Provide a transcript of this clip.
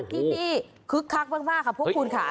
ที่นี่คึกคักมากค่ะพวกคุณค่ะ